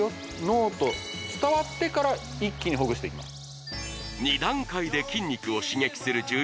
脳と伝わってから一気にほぐしていきます